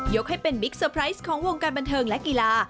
ให้เป็นบิ๊กเซอร์ไพรส์ของวงการบันเทิงและกีฬา